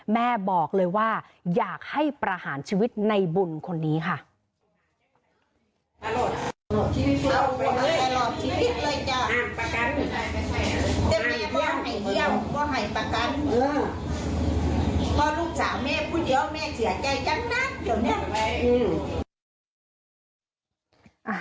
แม่บอกเลยว่าอยากให้ประหารชีวิตในบุญคนนี้ค่ะ